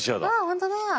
本当だ。